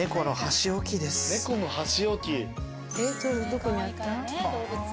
どこにあった？